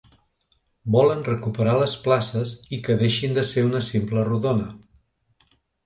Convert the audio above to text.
Volen recuperar les places i que deixin de ser una simple rodona.